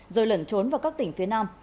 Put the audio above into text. rồi lẩn trốn vào các tỉnh phía nam